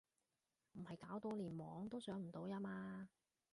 唔係搞到連網都上唔到呀嘛？